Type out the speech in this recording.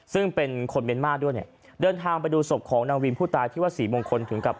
ซึ่งเป็นคนเมียนมาร์ด้วยเนี่ยเดินทางไปดูศพของนางวินผู้ตายที่วัดศรีมงคลถึงกับ